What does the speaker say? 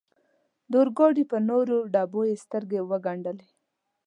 د اورګاډي پر نورو ډبو یې سترګې و ګنډلې.